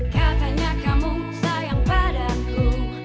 katanya kamu sayang padaku